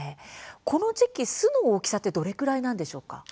この時期、巣の大きさはどれぐらいなんですか。